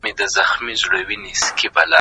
محصل باید په خپله مقاله کي بي پري پاته سي.